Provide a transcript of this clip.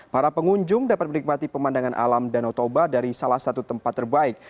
para pengunjung dapat menikmati pemandangan alam danau toba dari salah satu tempat terbaik